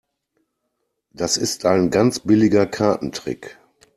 Das ist ein ganz billiger Kartentrick.